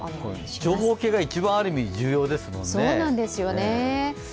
情報系が一番ある意味重要ですもんね。